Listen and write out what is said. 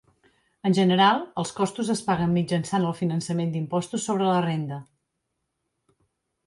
En general, els costos es paguen mitjançant el finançament d'impostos sobre la renda.